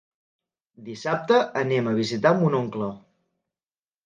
Dissabte anem a visitar mon oncle.